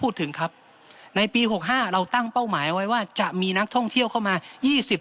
พูดถึงครับในปี๖๕เราตั้งเป้าหมายไว้ว่าจะมีนักท่องเที่ยวเข้ามายี่สิบ